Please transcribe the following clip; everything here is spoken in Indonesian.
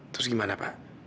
terus gimana pak